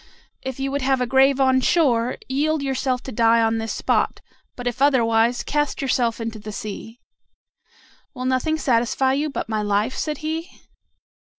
If you would have a grave on shore, yield yourself to die on this spot; but if otherwise, cast yourself into the sea." "Will nothing satisfy you but my life?" said he.